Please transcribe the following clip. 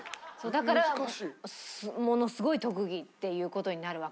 だからものすごい特技っていう事になるわけですよ。